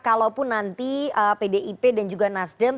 kalaupun nanti pdip dan juga nasdem